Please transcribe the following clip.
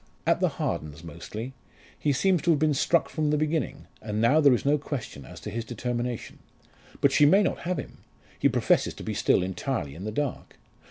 "At the Hardens mostly. He seems to have been struck from the beginning, and now there is no question as to his determination. But she may not have him; he professes to be still entirely in the dark."